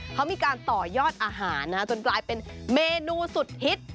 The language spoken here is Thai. เขามีการต่อยอดอาหารจนกลายเป็นเมนูสุดฮิต